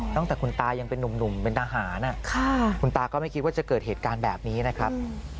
ตั้งแต่คุณตายังเป็นนุ่มเป็นทหารคุณตาก็ไม่คิดว่าจะเกิดเหตุการณ์แบบนี้นะครับ